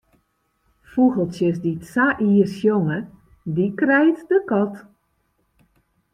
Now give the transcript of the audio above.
Fûgeltsjes dy't sa ier sjonge, dy krijt de kat.